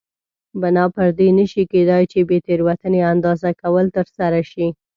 بنا پر دې نه شي کېدای چې بې تېروتنې اندازه کول ترسره شي.